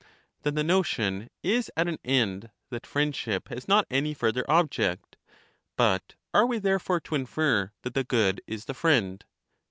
Then the notion is at an end that friendship has not any further object. But are we therefore to infer that the good is the friend?